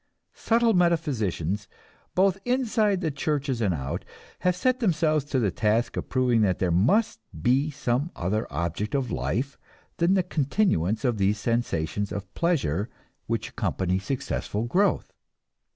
Subtle metaphysicians, both inside the churches and out, have set themselves to the task of proving that there must be some other object of life than the continuance of these sensations of pleasure which accompany successful growth.